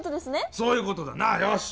そういうことだなよし！